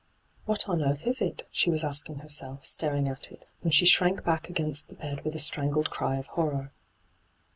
' What on earth is it ?' she was asking her self, staring at it, when she shrank back against the bed with a strangled cry of horror.